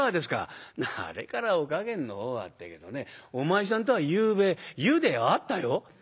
「『あれからお加減のほうは』って言うけどねお前さんとはゆうべ湯で会ったよ」。